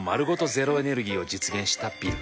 ゼロエネルギーを実現したビル。